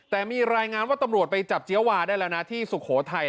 แต่มีรายงานว่าตำรวจไปจับเจี๊ยวาได้แล้วนะที่สุโขทัย